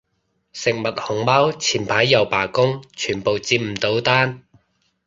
食物熊貓前排又罷工，全部接唔到單